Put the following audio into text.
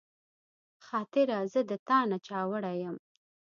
خاطره زه د تا نه چاوړی یم